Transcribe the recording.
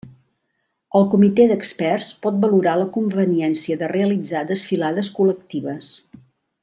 El comitè d'experts pot valorar la conveniència de realitzar desfilades col·lectives.